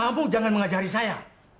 kamu jangan mengajari saya